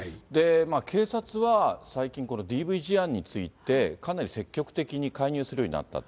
警察は、最近これ、ＤＶ事案について、かなり積極的に介入するようになったと。